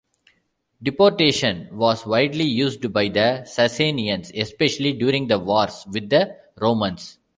Deportation was widely used by the Sasanians, especially during the wars with the Romans.